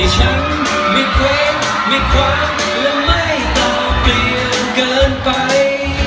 ฉันมีความมีความและไม่ต่อเปลี่ยนเกินไป